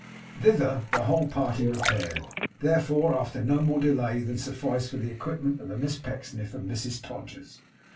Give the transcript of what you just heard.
Thither the whole party repaired, therefore, after no more delay than sufficed for the equipment of the Miss Pecksniffs and Mrs Todgers.